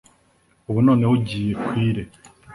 ubu noneho ugiye kwire